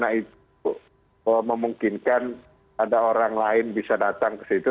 nah itu memungkinkan ada orang lain bisa datang ke situ